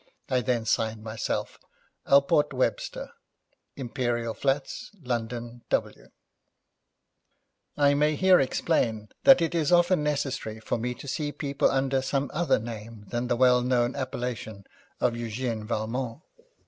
I then signed myself, 'Alport Webster, Imperial Flats, London, W.' I may here explain that it is often necessary for me to see people under some other name than the well known appellation of Eugène Valmont.